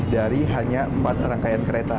dari hanya empat rangkaian kereta